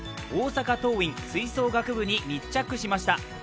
大阪桐蔭吹奏楽部に密着しました。